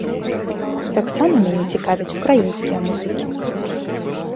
Таксама мяне цікавяць украінскія музыкі.